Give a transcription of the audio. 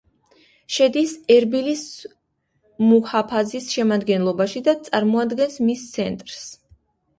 შედის ერბილის მუჰაფაზის შემადგენლობაში და წარმოადგენს მის ცენტრს.